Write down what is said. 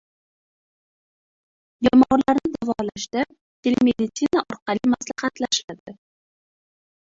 Bemorlarni davolashda telemeditsina orqali maslahatlashiladi